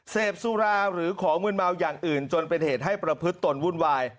เสพสุราหรือของมืนเมาอย่างอื่นจนเป็นเหตุให้ประพฤติตนวุ่นวาย